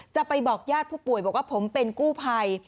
จะไปบอกญาติผู้ป่วยบอกว่าผมเป็นกู้ภัย